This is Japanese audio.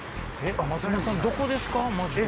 松本さんどこですか？